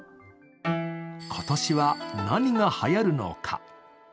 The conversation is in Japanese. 今年は何がはやるのか？